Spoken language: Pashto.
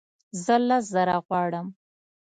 زه لس زره غواړم